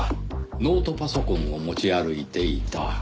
ノートパソコンを持ち歩いていた。